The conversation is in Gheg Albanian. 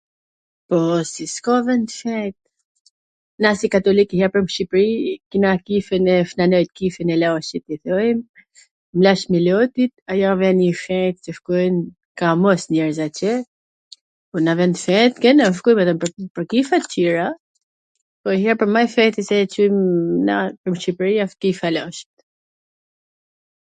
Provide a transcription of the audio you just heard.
Po, si s ka vend t shejt? Na si katolik japim n Shqipri, kena kishn e Shna Nojt, kishwn e LaCit i thojm, Lac Milotit, pwr kisha tjera, por ma i shenjti siC e qujm na n Shqipri asht kisha e Lacit